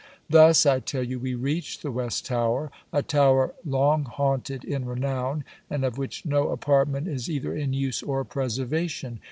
Thus I tell you we reached the West Tower: a tower long haunted in renown, and of which no apartment is either in use or preservation.